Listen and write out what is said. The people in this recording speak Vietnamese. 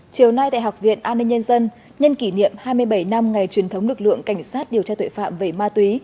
chiều nay tại học viện an ninh nhân dân nhân kỷ niệm hai mươi bảy năm ngày truyền thống lực lượng cảnh sát điều tra tội phạm về ma túy